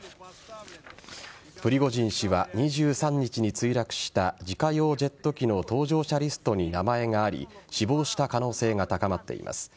プリゴジン氏は２３日に墜落した自家用ジェット機の搭乗者リストに名前があり死亡した可能性が高まっています。